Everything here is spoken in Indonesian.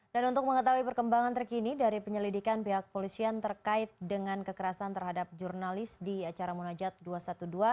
dan untuk mengetahui perkembangan terkini dari penyelidikan pihak polisian terkait dengan kekerasan terhadap jurnalis di acara munajat dua ratus dua belas